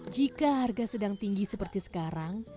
jika harga sedang tinggi seperti sekarang